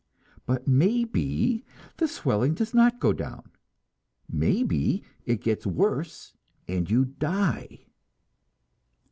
But maybe the swelling does not go down; maybe it gets worse and you die.